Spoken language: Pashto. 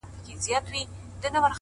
• شاوخواته تشه توره کربلا وه ,